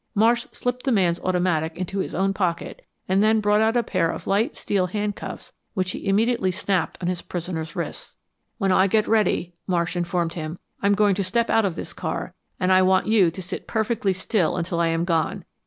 Marsh slipped the man's automatic into his own pocket, and then brought out a pair of light, steel handcuffs which he immediately snapped on his prisoner's wrists. "When I get ready," Marsh informed him, "I'm going to step out of this car, and I want you to sit perfectly still until I am gone.